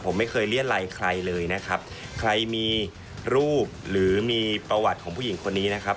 ผมไม่เคยเรียดไลใครเลยนะครับใครมีรูปหรือมีประวัติของผู้หญิงคนนี้นะครับ